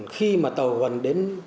khi mà tàu gần đến